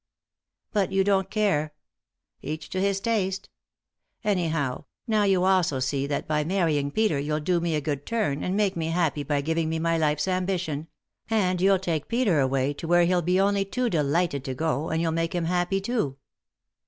" But you don't care. Each to his taste. Anyhow, now you also see that by marrying Peter you'll do me a good turn, and make me happy by giving me my life's ambition ; and you'll take Peter away, to where he'll be only too delighted to go, and you'll make him happy too."